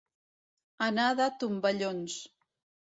Anar de tomballons.